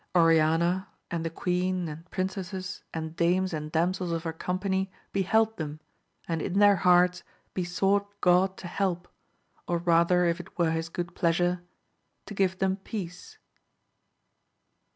Orian 166 AMADIS OF GAUL. the queen and princesses and dames and damsels of her company beheld them, and in their hearts be sought God to help, or rather if it were his good plea sure, to give them peace.